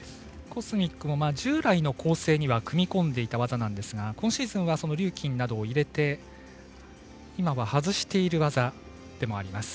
コスミックも従来の構成には組み込んでいた技なんですが今シーズンはリューキンなどを入れて今は外している技でもあります。